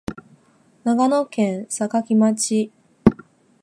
長野県坂城町